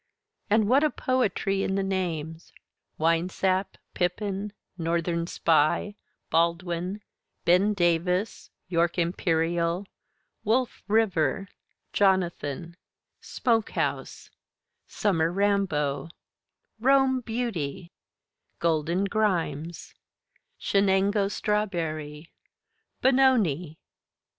And what a poetry in the names Winesap, Pippin, Northern Spy, Baldwin, Ben Davis, York Imperial, Wolf River, Jonathan, Smokehouse, Summer Rambo, Rome Beauty, Golden Grimes, Shenango Strawberry, Benoni!